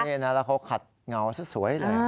นี่นะแล้วเขาขัดเงาซะสวยเลย